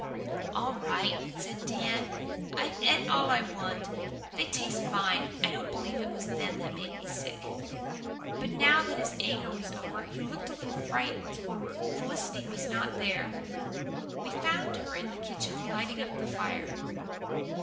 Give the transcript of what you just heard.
"All right," said Dan. "I've et all I want. They taste fine. I don't believe it was them made me sick." But now that his anger was over he looked a little frightened. Felicity was not there. We found her in the kitchen, lighting up the fire.